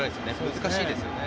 難しいですよね。